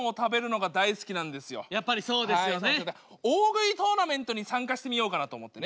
大食いトーナメントに参加してみようかなと思ってね。